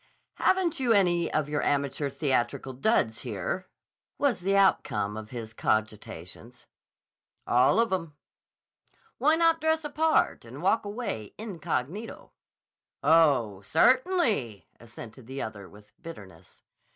"Haven't you any of your amateur theatrical duds here?" was the outcome of his cogitations. "All of 'em." "Why not dress a part and walk away incognito?" "Oh, certainly!" assented the other with bitterness.